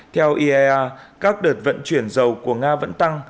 theo iea các đợt vận chuyển dầu của nga vẫn tăng